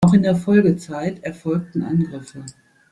Auch in der Folgezeit erfolgten Angriffe.